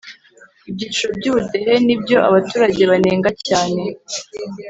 Ibyiciro by’ubudehe nibyo abaturage banenga cyane